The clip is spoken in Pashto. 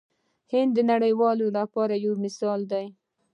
هند د نړۍ لپاره یو مثال دی.